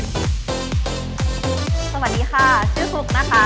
สวัสดีค่ะชื่อฟุ๊กนะคะ